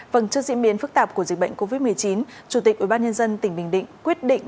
vâng trước diễn biến phức tạp của dịch bệnh covid một mươi chín chủ tịch ubnd tỉnh bình định quyết định